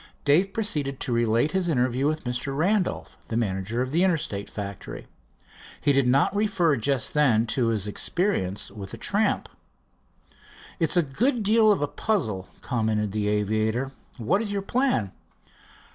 Dave proceeded to relate his interview with Mr. Randolph, the manager of the Interstate factory. He did not refer just then to his experience with the tramp. "It's a good deal of a puzzle," commented the aviator. "What is your plan?"